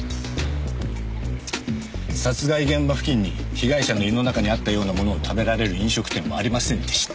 殺害現場付近に被害者の胃の中にあったようなものを食べられる飲食店はありませんでした。